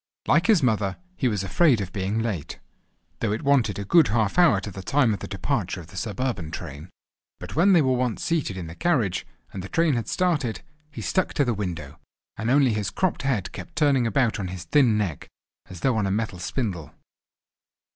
Like his mother, he was afraid of being late, though it wanted a good half hour to the time of the departure of the suburban train. But when they were once seated in the carriage, and the train had started, he stuck to the window, and only his cropped head kept turning about on his thin neck, as though on a metal spindle.